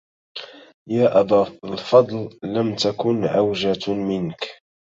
يا أبا الفضل لم تكن عوجة منك